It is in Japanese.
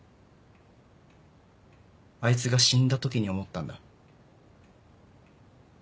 あいつが死んだ時に思ったんだ。